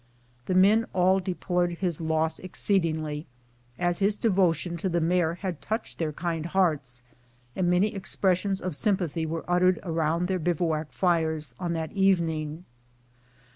The men all de plored his loss exceedingly, as his devotion to the mare had touched their kind hearts, and many expressions of sympathy were uttered around their bivouac fires on that evening.